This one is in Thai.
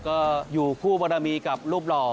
ก็อยู่คู่บรมีกับรูปหล่อ